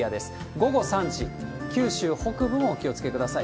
午後３時、九州北部もお気をつけください。